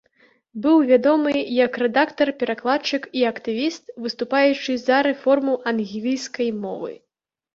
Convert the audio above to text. Быў вядомы як рэдактар, перакладчык і актывіст, выступаючы за рэформу англійскай мовы.